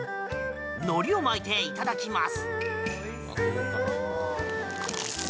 のりを巻いていただきます。